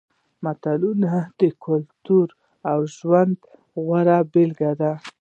متلونه د کلتور او ژوند غوره بېلګې دي